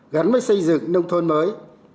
gắn với xây dựng nông thôn mới